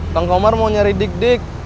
kang homer mau nyari dikdik